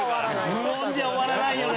無音じゃ終わらないよね。